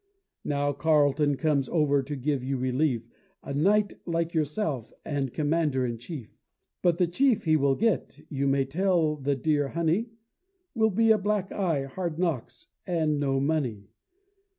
Now Carleton comes over to give you relief; A knight, like yourself, and commander in chief; But the chief he will get, you may tell the dear honey, Will be a black eye, hard knocks, and no money.